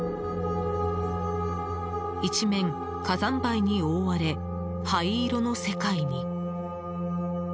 一面、火山灰に覆われ灰色の世界に。